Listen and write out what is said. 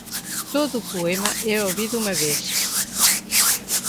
Todo poema é ouvido uma vez.